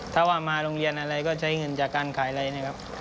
ถ้าว่ามาโรงเรียนอะไรก็ใช้เงินจากการขายอะไรนะครับ